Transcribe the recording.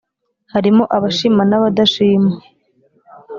harimo abashima n’abadashima